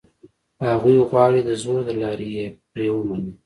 هغوی غواړي دزور له لاري یې پرې ومني.